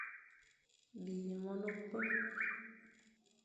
Bî môr ne-kwém.